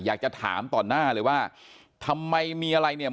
อยากจะถามต่อหน้าเลยว่าทำไมมีอะไรเนี่ย